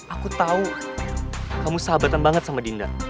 aku tahu kamu sahabatan banget sama dinda